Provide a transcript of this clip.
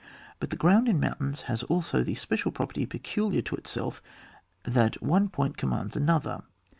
But the ground in mountains has also the special property peculiar to itself, that one point commands another.